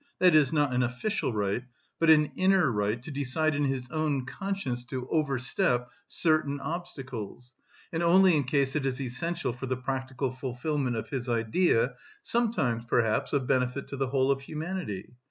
that is not an official right, but an inner right to decide in his own conscience to overstep... certain obstacles, and only in case it is essential for the practical fulfilment of his idea (sometimes, perhaps, of benefit to the whole of humanity).